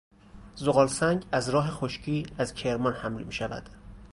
زغال سنگ از راه خشکی از کرمان حمل میشود.